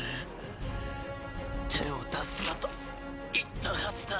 手を出すなと言ったはずだ。